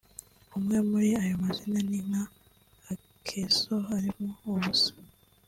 Amwe muri ayo mazina ni nka akeso karimo ubusa